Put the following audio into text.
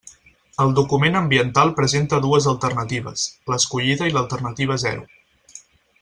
El document ambiental presenta dues alternatives, l'escollida i l'alternativa zero.